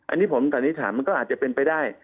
อันนี้ผมสันนิษฐานมันก็อาจจะเป็นไปได้